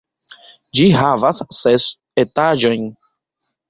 Ĝi havas ses etaĝojn.